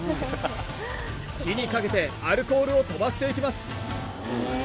火にかけてアルコールを飛ばしていきます